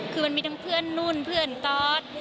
คือมันมีทั้งเพื่อนนุ่นเพื่อนตอส